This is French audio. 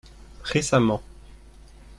Récemment.